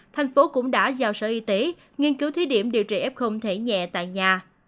thành phố cũng đã giao sở y tế nghiên cứu thí điểm điều trị f thể nhẹ tại nhà